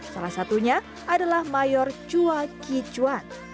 salah satunya adalah mayor chua kichuan